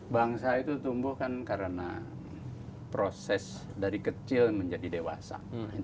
bangsa itu tumbuh kan karena proses dari kecil menjadi dewasa